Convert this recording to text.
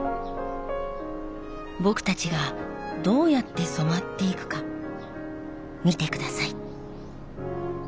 僕たちがどうやって染まっていくか見て下さい。